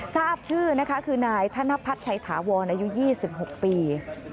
ทราบชื่อนะคะคือนายธนพัฒน์ชัยถาวรอายุ๒๖ปี